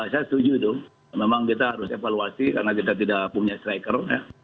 saya setuju itu memang kita harus evaluasi karena kita tidak punya striker